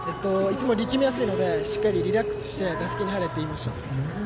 いつも力みやすいのでしっかり、リラックスして打席に入れと言いました。